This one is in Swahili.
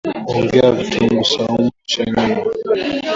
Ongeza vitunguu swaumu kisha nyanya